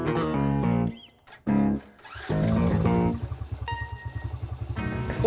kayak gini aja selesai ya